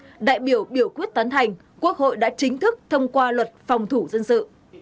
với chín mươi ba bảy mươi hai đại biểu biểu quyết tán thành quốc hội đã chính thức thông qua luật phòng thủ dân sự